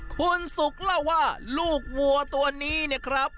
คุณสุกเล่าว่าลูกวัวตัวนี้เนี่ยครับ